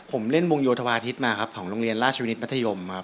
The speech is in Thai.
ผมเล่นวงโยธวาทิศมาครับของโรงเรียนราชวินิตมัธยมครับ